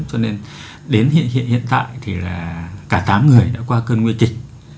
cho nên đến hiện tại thì cả tám người đã qua cơn nguy kịch